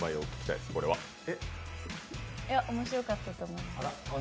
いや、面白かったと思います。